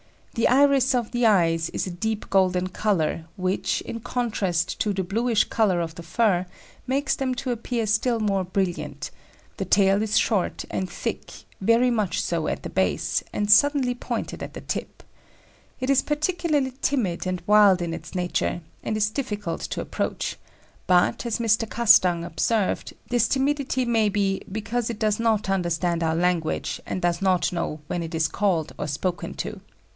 The iris of the eyes is a deep golden colour, which, in contrast to the bluish colour of the fur, makes them to appear still more brilliant; the tail is short and thick, very much so at the base, and suddenly pointed at the tip. It is particularly timid and wild in its nature, and is difficult to approach; but, as Mr. Castang observed, this timidity may be "because it does not understand our language and does not know when it is called or spoken to."